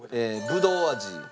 ぶどう味